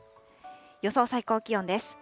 予想最高気温です。